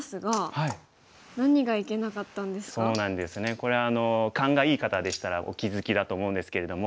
これ勘がいい方でしたらお気付きだと思うんですけれども。